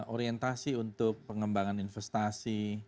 orientasi untuk pengembangan investasi